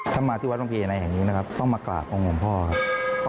ทำมาที่วัดบางพลีใหญ่นัยต้องมากราบองค์ห่วงพ่อครับ